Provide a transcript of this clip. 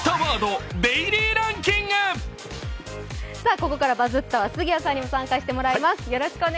ここからバズったは杉谷さんにも参加してもらいます。